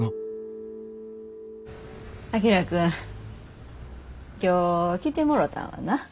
章君今日来てもろたんはな。